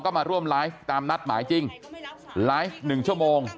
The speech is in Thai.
ก็มาร่วมไลฟ์ตามนัดหมายจริงไลฟ์หนึ่งชั่วโมง